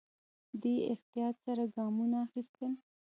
دی احتیاط سره ګامونه اخيستل.